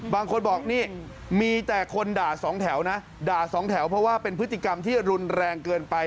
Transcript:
บางคนบอกนี่มีแต่คนด่าสองแถวนะด่าสองแถวเพราะว่าเป็นพฤติกรรมที่รุนแรงเกินไป